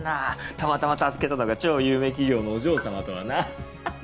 たまたま助けたのが超有名企業のお嬢様とはなはははっ。